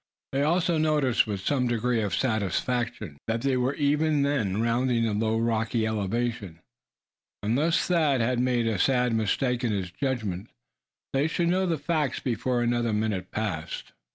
They also noticed with some degree of satisfaction, that they were even then rounding the low rocky elevation. Unless Thad had made a sad mistake in his judgment, they should know the facts before another minute passed.